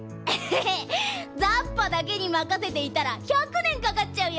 ザッパだけにまかせていたら１００ねんかかっちゃうよ。